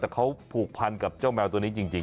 แต่เขาผูกพันกับเจ้าแมวตัวนี้จริง